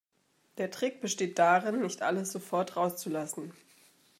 Der Trick besteht darin, nicht alles sofort rauszulassen.